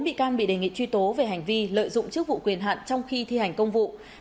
chín bị can bị đề nghị truy tố về hành vi lợi dụng chức vụ quyền hạn trong khi thi hành công vụ